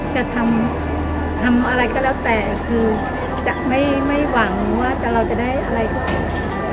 จะทำทำอะไรก็แล้วแต่คือจะไม่หวังว่าเราจะได้อะไรที่ผิด